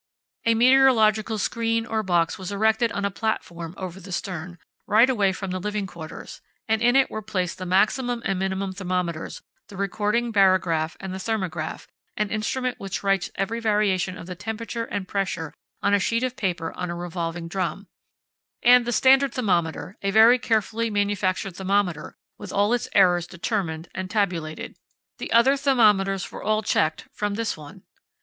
A meteorological screen or box was erected on a platform over the stern, right away from the living quarters, and in it were placed the maximum and minimum thermometers, the recording barograph, and thermograph—an instrument which writes every variation of the temperature and pressure on a sheet of paper on a revolving drum—and the standard thermometer, a very carefully manufactured thermometer, with all its errors determined and tabulated. The other thermometers were all checked from this one.